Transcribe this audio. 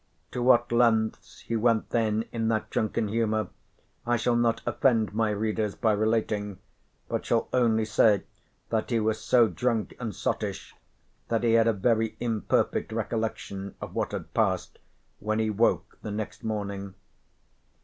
To what lengths he went then in that drunken humour I shall not offend my readers by relating, but shall only say that he was so drunk and sottish that he had a very imperfect recollection of what had passed when he woke the next morning.